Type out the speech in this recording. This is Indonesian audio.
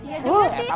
iya juga sih